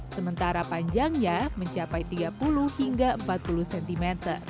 sementara panjangnya mencapai tiga puluh hingga empat puluh cm